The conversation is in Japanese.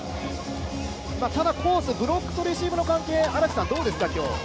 ただ、コース、ブロックとレシーブの関係、どうですか今日は。